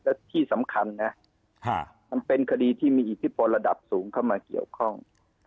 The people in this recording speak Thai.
และที่สำคัญนะมันเป็นคดีที่มีอิทธิพลระดับสูงเข้ามาเกี่ยวข้อง